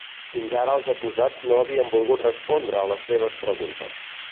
Fins ara els acusats no havien volgut respondre a les seves preguntes.